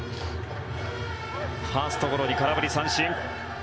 ファーストゴロに空振り三振。